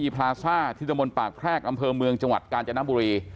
พราซ่าทิศมนต์ปากแพร่งอำเพิงเมืองจังหวัดกาญจนพุรี